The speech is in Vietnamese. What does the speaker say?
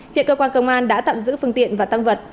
hiện cơ quan công an đã tạm giữ phương tiện và tăng vật